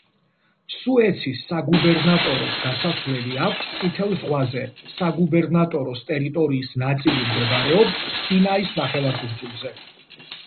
სუეცის საგუბერნატოროს გასასვლელი აქვს წითელ ზღვაზე, საგუბერნატოროს ტერიტორიის ნაწილი მდებარეობს სინაის ნახევარკუნძულზე.